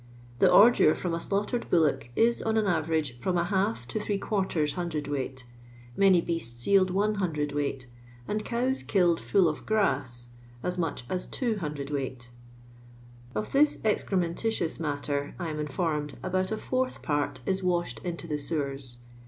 The ordure from a slaughtered bullock is, on an average, from ^ to } cwt Many beasts yield one cwt. ; and cows " killed full of grass," as much as two cwt Of this excrementitious matter, I am informed, about a fourth part is washed into the sewers.